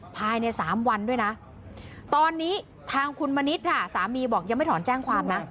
ภายใน๓วันด้วยนะตอนนี้ทางคุณมณิษฐ์ค่ะสามีบอกยังไม่ถอนแจ้งความนะ